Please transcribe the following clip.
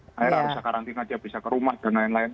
akhirnya harusnya karantina aja bisa ke rumah dan lain lain